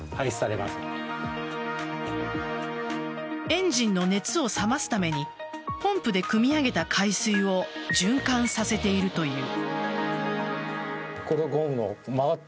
エンジンの熱を冷ますためにポンプでくみ上げた海水を循環させているという。